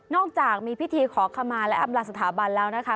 จากมีพิธีขอขมาและอำลาสถาบันแล้วนะคะ